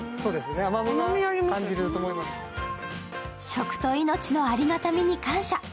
食と命のありがたみに感謝。